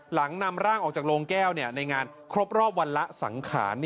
หลังนำร่างออกจากโรงแก้วในงานครบรอบวันละสังขาร